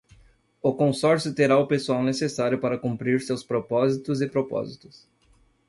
O consórcio terá o pessoal necessário para cumprir seus propósitos e propósitos.